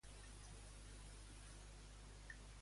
Va lliurar el religiós als pròfugs?